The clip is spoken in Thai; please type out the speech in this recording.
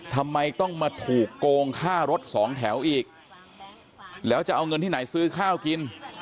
ทำไมต้องมาถูกโกงค่ารถสองแถวอีกแล้วจะเอาเงินที่ไหนซื้อข้าวกิน